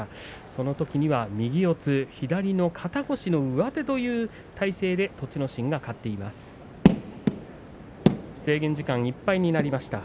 そのときには右四つ左の肩越しの上手という体勢で栃ノ心が勝ちました。